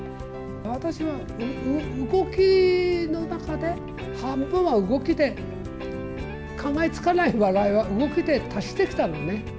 私は動きの中で、半分は動きで、考えつかない笑いは動きで足してきたのね。